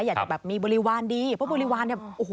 อยากจะมีบริวารดีเพราะบริวารเนี่ย